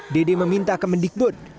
dede meminta ke mendikbud